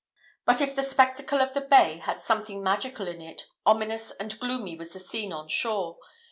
"But if the spectacle of the bay had something magical in it, ominous and gloomy was the scene on shore.